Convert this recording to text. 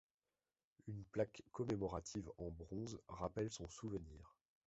Une plaque commémorative en bronze rappelle son souvenir.